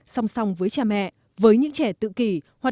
song song với cha mẹ với những trẻ tự kỷ